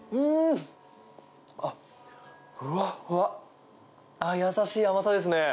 ふわっふわ、優しい甘さですね。